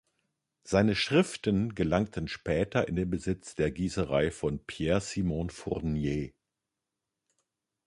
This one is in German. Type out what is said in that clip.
Seine Schriften gelangten später in den Besitz der Gießerei von Pierre Simon Fournier.